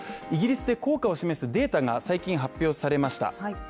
イギリスで効果を示すデータが最近発表されました。